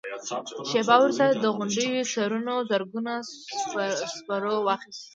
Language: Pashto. شېبه وروسته د غونډيو سرونو زرګونو سپرو واخيست.